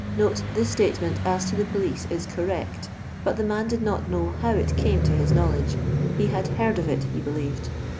[This statement as to the police is correct ; but tho man did not know how it came to his knowledge ; he had " heard of it," he believed.